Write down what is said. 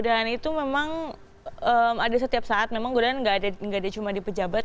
dan itu memang ada setiap saat memang godaan nggak ada cuma di pejabat